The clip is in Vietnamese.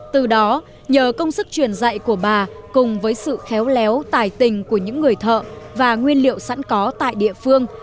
từ đó nhờ công sức truyền dạy của bà cùng với sự khéo léo tài tình của những người thợ và nguyên liệu sẵn có tại địa phương